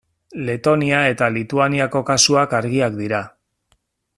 Letonia eta Lituaniako kasuak argiak dira.